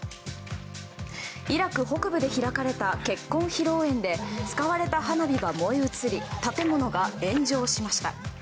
イラク北部で開かれた結婚披露宴で使われた花火が燃え移り建物が炎上しました。